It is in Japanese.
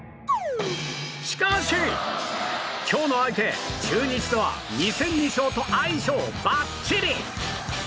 しかし今日の相手、中日とは２戦２勝と相性ばっちり！